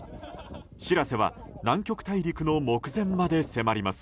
「しらせ」は南極大陸の目前まで迫ります。